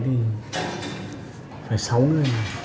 ừm phải sáu người thôi mà